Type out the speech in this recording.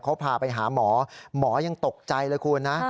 เขาพาไปหาหมอหมอยังตกใจเลยคุณนะ